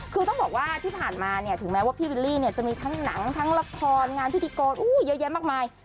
คือต้องบอกว่าที่ผ่านมาเนี่ยถึงแม้ว่าพี่วิลลี่เนี่ยจะมีทั้งหนังทั้งละครงานพิธีกรเยอะแยะมากมาย